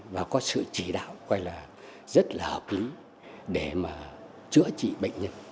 và có sự chỉ đạo gọi là rất là hợp lý để mà chữa trị bệnh nhân